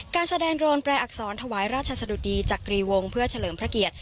การแสดงโดรนแปรอักษรถวายราชสะดุดีจักรีวงศ์เพื่อเฉลิมพระเกียรติ